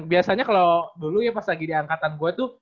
biasanya kalau dulu ya pas lagi di angkatan gue tuh